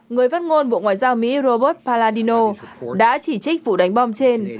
người phát ngôn bộ ngoại giao mỹ robert paladino đã chỉ trích vụ đánh bom trên